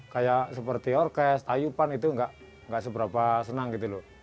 kayak seperti orkes tayupan itu nggak seberapa senang gitu loh